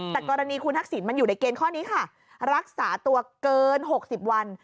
แต่กรณีคุณทักษิณมันอยู่ในเกณฑ์ข้อนี้ค่ะรักษาตัวเกิน๖๐วัน